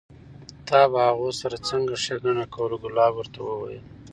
تا به هغو سره څنګه ښېګڼه کوله؟ کلاب ورته وویل: